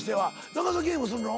長澤ゲームするの？